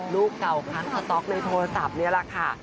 รูปเก่าค้างสต๊อกในโทรศัพท์นี่แหละค่ะ